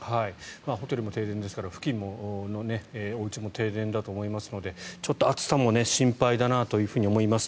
ホテルも停電ですから付近のおうちも停電だと思いますのでちょっと暑さも心配だなと思います。